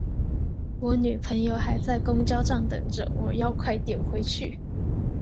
我女朋友还在公交站等着，我要快点回去。